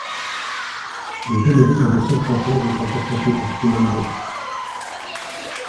Le générique en version française est interprété par Chimène Badi.